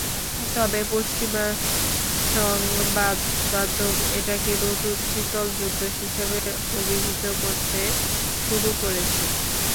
তবে পশ্চিমা সংবাদমাধ্যম এটাকে নতুন শীতল যুদ্ধ হিসেবে অভিহিত করতে শুরু করেছে।